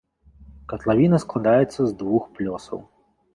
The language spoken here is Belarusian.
Катлавіна складаецца з двух плёсаў.